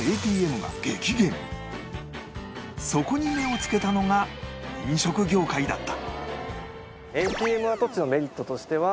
そこに目をつけたのが飲食業界だった